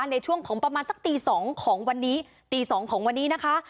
ในช่วงของประมาณสักตี๒ของวันนี้ตี๒ของวันนี้นะคะ